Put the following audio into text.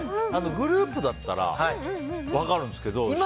グループだったら分かるんですけど、１人だと。